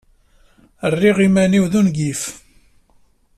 Rriɣ iman-iw d ungif.